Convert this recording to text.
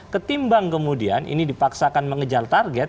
ketimbang kemudian ini dipaksakan mengejar target